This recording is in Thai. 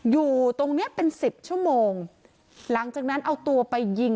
อยู่ตรงเนี้ยเป็นสิบชั่วโมงหลังจากนั้นเอาตัวไปยิง